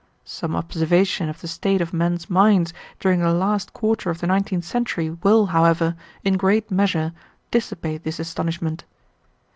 Some observation of the state of men's minds during the last quarter of the nineteenth century will, however, in great measure, dissipate this astonishment.